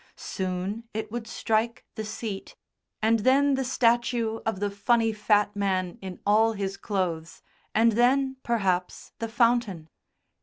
Soon it would strike the seat, and then the statue of the funny fat man in all his clothes, and then, perhaps, the fountain.